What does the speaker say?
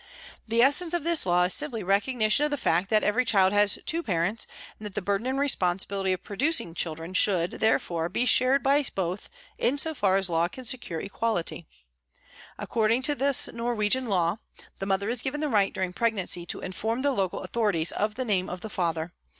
The essence of this SOME TYPES OF PRISONERS 127 law is simply recognition of the fact that every child has two parents and that the burden and responsi bility of producing children should, therefore, be shared by both in so far as law can secure equality. According to this Norwegian law, the mother is given the right during pregnancy to inform the local authori ties of the name of the father.